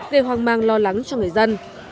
gây hoang mang lo lắng cho người dân